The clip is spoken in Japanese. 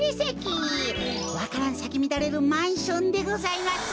わか蘭さきみだれるマンションでございます。